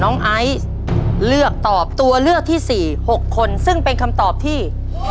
น้องอายเลือกตอบตัวเลือกที่๔๖คนซึ่งเป็นคำตอบที่